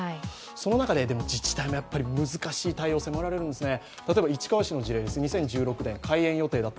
その中で、自治体も難しい対応を迫られるんですね。